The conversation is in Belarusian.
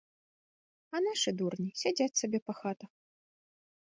А нашы дурні сядзяць сабе па хатах.